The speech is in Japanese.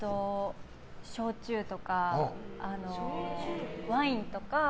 焼酎とかワインとか。